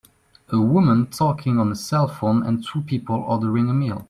A woman talking on her cellphone and two people ordering a meal